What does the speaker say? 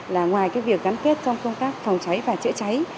là ngoài cái việc gắn kết trong công tác phòng cháy và chữa cháy